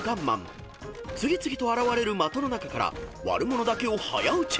［次々と現れる的の中から悪者だけを早撃ち］